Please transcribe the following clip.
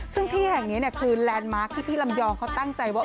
ซึ่งที่แห่งนี้คือแลนด์มาร์คที่พี่ลำยองเขาตั้งใจว่า